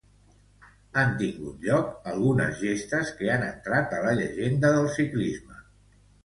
Han tingut lloc algunes gestes que han entrat a la llegenda del ciclisme.